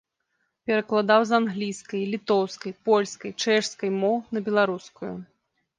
Перакладаў з англійскай, літоўскай, польскай, чэшскай моў на беларускую.